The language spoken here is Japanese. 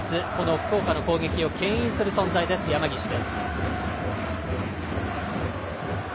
福岡の攻撃をけん引する存在の山岸です。